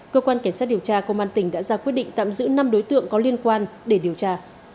cơ quan cảnh sát điều tra công an tỉnh đã ra quyết định tạm giữ năm đối tượng có liên quan để điều tra